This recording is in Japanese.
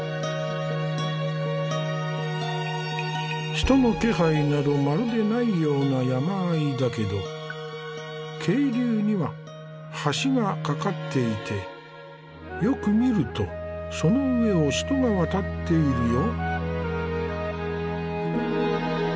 人の気配などまるでないような山あいだけど渓流には橋が架かっていてよく見るとその上を人が渡っているよ。